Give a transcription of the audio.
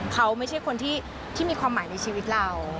เขาไม่ใช่คนที่มีความหมายในชีวิตเรา